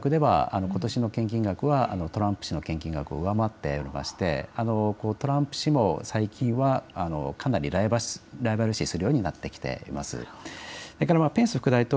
そして献金額ではことしの献金額はトランプ氏の献金額を上回っていてトランプ氏も最近は、かなりライバル視するようになってきています。